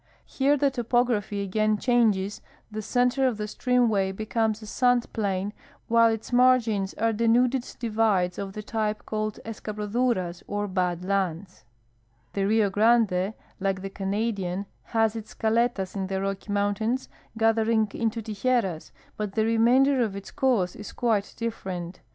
Here the topograph}' again changes, the center (jf the streamway becomes ■JO 302 WEATHER BUREAU RIVER AND FLOOD SYSTEM a sand plain, while its margins are denuded divides of the type called escabroduras or bad lands. The Rio Grande, like the Canadian, has its caletas in the Rocky mountains, gathering into tijeras, but the remainder of its course is quite different.